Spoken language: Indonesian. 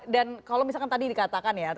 kalau misalkan tadi dikatakan ya